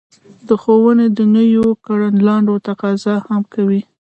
د ښوونې د نويو کړنلارو تقاضا هم کوي.